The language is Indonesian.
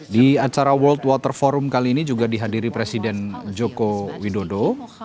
di acara world water forum kali ini juga dihadiri presiden joko widodo